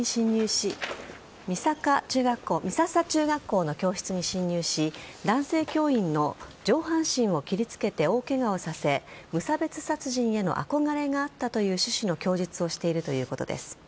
美笹中学校の教室に侵入し男性教員の上半身を切りつけて大ケガをさせ無差別殺人への憧れがあったというような趣旨の供述をしているということです。